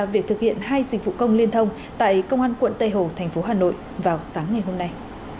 việc thực hiện hai dịch vụ công liên thông tại công an quận tây hồ thành phố hà nội vào sáng ngày hôm nay